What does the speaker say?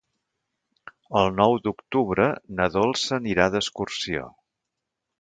El nou d'octubre na Dolça anirà d'excursió.